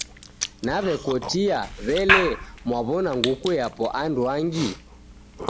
Naw'ekotia, w'ele mwaw'ona nguku yapo andwangi?